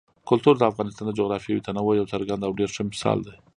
کلتور د افغانستان د جغرافیوي تنوع یو څرګند او ډېر ښه مثال دی.